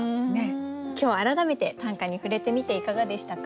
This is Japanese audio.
今日改めて短歌に触れてみていかがでしたか？